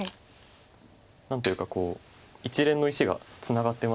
何というかこう一連の石がツナがってますよね。